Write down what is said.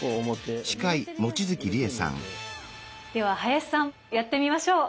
では林さんやってみましょう。